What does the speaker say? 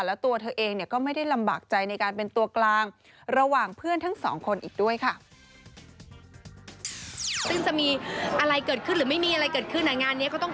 แล้วตัวเธอเองเนี่ยก็ไม่ได้ลำบากใจในการเป็นตัวกลางระหว่างเพื่อนทั้งสองคนอีกด้วยค่ะ